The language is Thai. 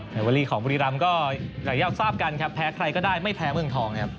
แต่วัลีของบุรีรัมป์ก็หลายยาวทราบกันครับแพ้ใครก็ได้ไม่แพ้เมืองทองนะครับ